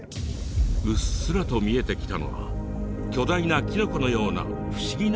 うっすらと見えてきたのは巨大なキノコのような不思議な構造物。